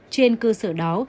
trên cơ sở đó